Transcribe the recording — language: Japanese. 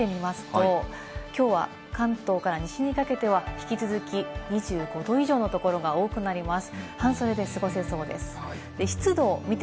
気温を見てみますと、きょうは関東から西にかけては引き続き２５度以上のところが多くなります。